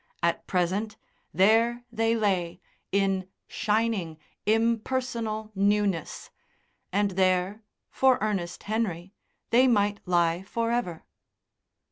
At present there they lay in shining impersonal newness, and there for Ernest Henry they might lie for ever.